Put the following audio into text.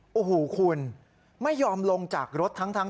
เพราะว่าคนขับรถมาร์ชสีฟ้าคันนี้โอ้โหคุณไม่ยอมลงจากรถทั้ง